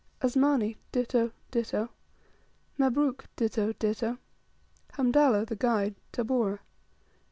34. Asmani, ditto, ditto. 35. Mabruk, ditto ditto. 36. Hamdallah (the guide), Tabora.